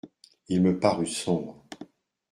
Il me parut sombre.